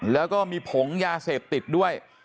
แล้วก็มีผงยาเสพติดด้วย